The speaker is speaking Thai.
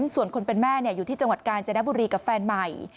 ส่วนคนเป็นแม่อยู่ที่จังหวัดกาญจนบุรีกับแฟนใหม่